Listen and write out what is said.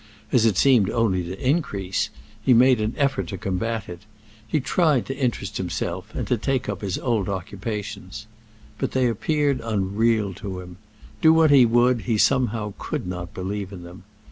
As it seemed only to increase, he made an effort to combat it; he tried to interest himself and to take up his old occupations. But they appeared unreal to him; do what he would he somehow could not believe in them.